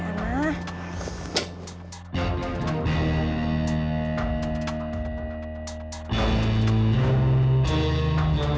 kau ian adriana kecelakaan